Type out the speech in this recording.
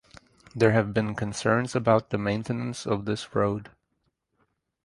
There have been concerns about the maintenance of this road.